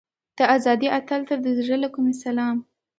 د ازادۍ اتل ته د زړه له کومې سلام.